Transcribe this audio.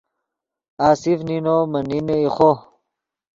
آصف نینو من نینے ایخو